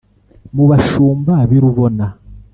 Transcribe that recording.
mu bashumba b'i rubona